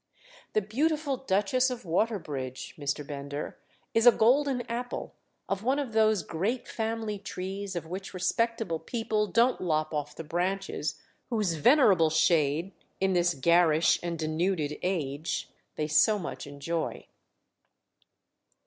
"'The Beautiful Duchess of Waterbridge,' Mr. Bender, is a golden apple of one of those great family trees of which respectable people don't lop off the branches whose venerable shade, in this garish and denuded age, they so much enjoy."